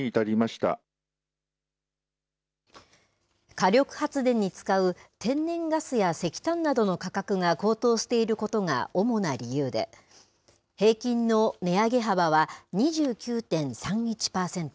火力発電に使う天然ガスや石炭などの価格が高騰していることが主な理由で、平均の値上げ幅は２９．３１％。